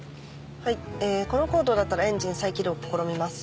はいこの高度だったらエンジン再起動を試みます。